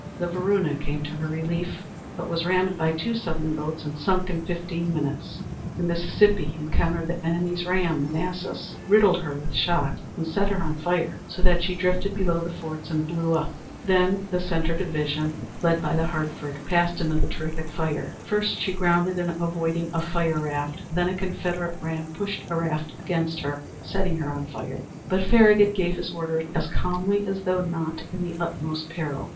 The Varuna came to her relief, but was rammed by two Southern boats, and sunk in fifteen minutes. The Mississippi encountered the enemy's ram, Manassas, riddled her with shot, and set her on fire, so that she drifted below the forts and blew up. Then the centre division, led by the Hartford, passed into the terrific fire. First she grounded in avoiding a fire raft; then a Confederate ram pushed a raft against her, setting her on fire; but Farragut gave his orders as calmly as though not in the utmost peril.